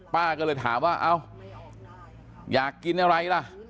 ป้าก็เลยถามว่าเอ้าอยากกินอะไรล่ะ